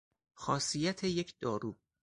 خاصیت یک دارو